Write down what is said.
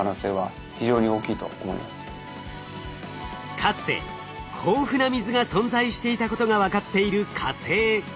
かつて豊富な水が存在していたことが分かっている火星。